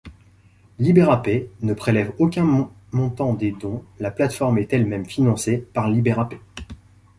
Liberapay ne prélève aucun montant des dons, la plateforme est elle-même financée par Liberapay.